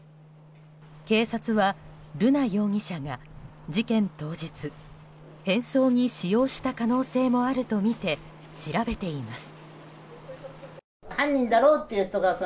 警察は瑠奈容疑者が事件当日変装に使用した可能性もあるとみて調べています。